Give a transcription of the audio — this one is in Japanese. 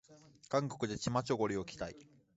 韓国でチマチョゴリを着たい